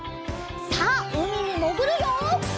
さあうみにもぐるよ！